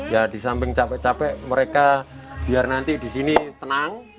ya disamping capek capek mereka biar nanti disini tenang